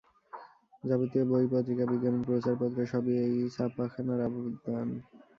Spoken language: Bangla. যাবতীয় বই, পত্রিকা, বিজ্ঞাপন প্রচার পত্র সবই এই ছাপা খানার অবদান।